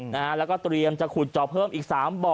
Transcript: พี่ก็เตรียมจะขุดเจาะเพิ่มอีก๓บ่อ